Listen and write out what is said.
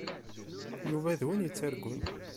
Yuba d win yettargun.